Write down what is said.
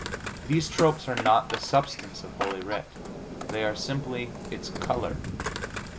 These tropes are not the substance of Holy Writ; they are simply its color.